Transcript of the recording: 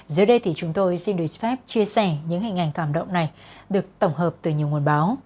dưới đây thì chúng tôi xin được phép chia sẻ những hình ảnh cảm động này được tổng hợp từ nhiều nguồn báo